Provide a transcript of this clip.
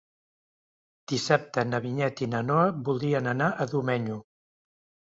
Dissabte na Vinyet i na Noa voldrien anar a Domenyo.